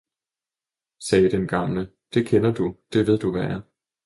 sagde den gamle, det kender du, det ved du hvad er!